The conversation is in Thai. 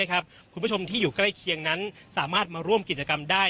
คุณผู้ชมที่อยู่ใกล้เคียงนั้นสามารถมาร่วมกิจกรรมได้